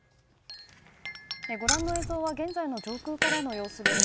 ご覧の映像は、現在の上空からの様子です。